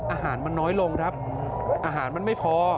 อาหารมันน้อยลงครับอาหารมันไม่พอ